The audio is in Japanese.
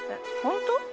本当？